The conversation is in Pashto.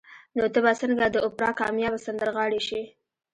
نو ته به څنګه د اوپرا کاميابه سندرغاړې شې